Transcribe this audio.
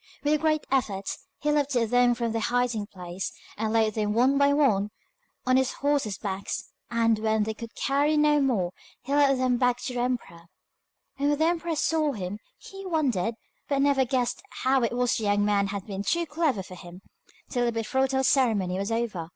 With a great effort he lifted them from their hiding place, and laid them one by one on his horses' backs, and when they could carry no more he led them back to the emperor. And when the emperor saw him, he wondered, but never guessed how it was the young man had been too clever for him, till the betrothal ceremony was over.